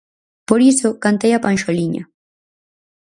Por iso cantei a panxoliña.